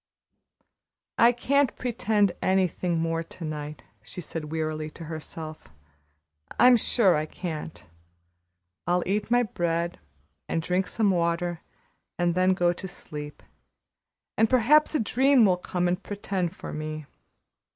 "I can't pretend anything more to night," she said wearily to herself. "I'm sure I can't. I'll eat my bread and drink some water and then go to sleep, and perhaps a dream will come and pretend for me.